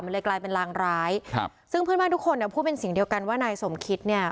มันเลยกลายเป็นรางร้ายครับซึ่งเพื่อนบ้านทุกคนเนี่ยพูดเป็นเสียงเดียวกันว่านายสมคิดเนี่ย